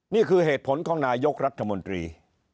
นี่คือเหตุผลของนายกรัฐมนตรี